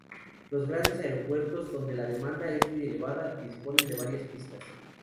Los grandes aeropuertos, donde la demanda es muy elevada, disponen de varias pistas.